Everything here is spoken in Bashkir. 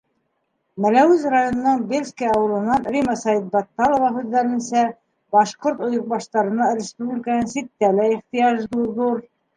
Мәләүез районының Бельский ауылынан Рима Сәйетбатталова һүҙҙәренсә, «башҡорт» ойоҡбаштарына республиканан ситтә лә ихтыяж ҙур.